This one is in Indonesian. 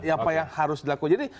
apa yang harus dilakukan